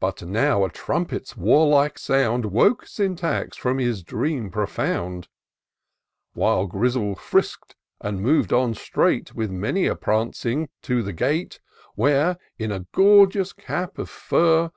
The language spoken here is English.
But now a trumpet's warlike sound 'Woke Syntax from his dream profound ; While Grizzle firisk'd^ and mov'd on straight, With many a prancing, to the gate, Where, in a gorgeous cap of fur.